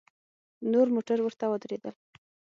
نور موټر ورته ودرېدل.